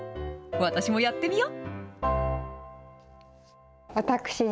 私もやってみよ。